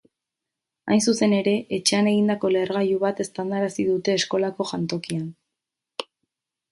Hain zuzen ere, etxean egindako lehergailu bat eztandarazi dute eskolako jantokian.